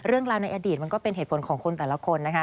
เรื่องราวในอดีตมันก็เป็นเหตุผลของคนแต่ละคนนะคะ